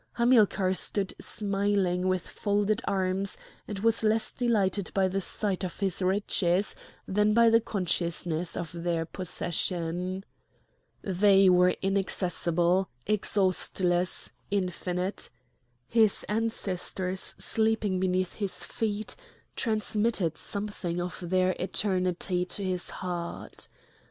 Hamilcar stood smiling with folded arms, and was less delighted by the sight of his riches than by the consciousness of their possession. They were inaccessible, exhaustless, infinite. His ancestors sleeping beneath his feet transmitted something of their eternity to his heart.